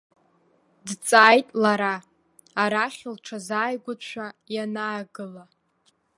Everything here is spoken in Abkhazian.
Дҵааит лара, арахь рҽылзааигәатәшәа ианаагыла.